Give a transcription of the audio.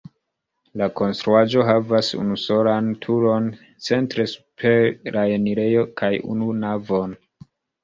La konstruaĵo havas unusolan turon centre super la enirejo kaj unu navon.